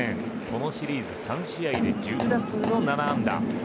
このシリーズ３試合で１０打数の７安打。